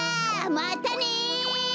またね！